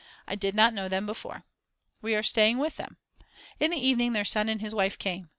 I did not know them before. We are staying with them. In the evening their son and his wife came.